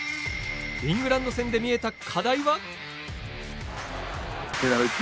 イングランド戦で見えた課題は？